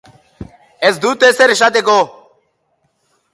Ez dut ezer esateko.